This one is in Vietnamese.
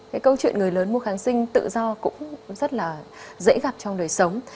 cái câu chuyện người lớn mua kháng sinh tự do cũng rất là dễ gặp trong đời sống